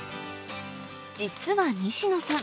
実は西野さん